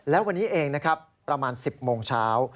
แล้ววันนี้เองนะครับประมาณ๑๐โมงเช้า